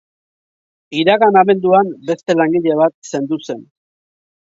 Iragan abenduan beste langile bat zendu zen.